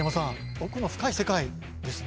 奥の深い世界ですね。